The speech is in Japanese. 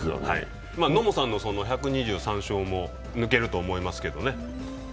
野茂さんの１２３勝も抜けると思いますけれどもね。